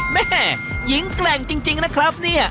แม่หญิงแกร่งจริงนะครับเนี่ย